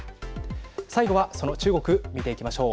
最後はその中国、見ていきましょう。